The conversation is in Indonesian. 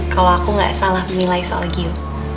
kalau aku gak salah menilai soal giu